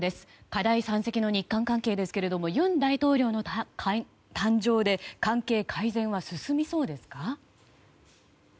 課題山積の日韓関係ですが尹大統領の誕生で関係改善は進みそうですか？